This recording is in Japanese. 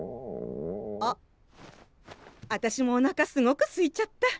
あっあたしもおなかすごくすいちゃった。